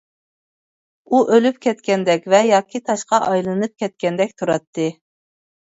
ئۇ ئۆلۈپ كەتكەندەك ۋە ياكى تاشقا ئايلىنىپ كەتكەندەك تۇراتتى.